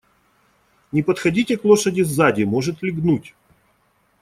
Не подходите к лошади сзади, может лягнуть.